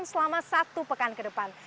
selama sepanjang dua puluh satu tahun